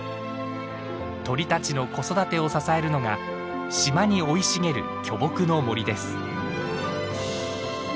鳥たちの子育てを支えるのが島に生い茂る巨木の森です。